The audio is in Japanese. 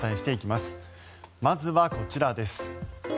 まずはこちらです。